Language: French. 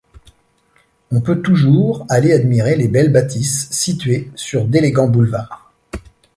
On peut toujours aller admirer les belles bâtisses situées sur d'élégants boulevards.